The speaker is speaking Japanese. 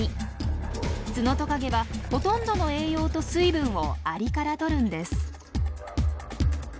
ツノトカゲはほとんどの栄養と水分をアリからとるんです。